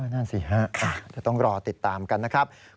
นั่นสิฮะเดี๋ยวต้องรอติดตามกันนะครับ